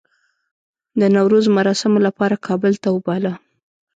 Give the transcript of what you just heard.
د نوروز مراسمو لپاره کابل ته وباله.